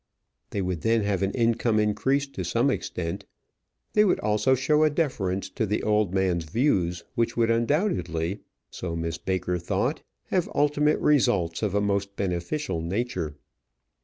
They would then have an income increased to some extent. They would also show a deference to the old man's views, which would undoubtedly so Miss Baker thought have ultimate results of a most beneficial nature.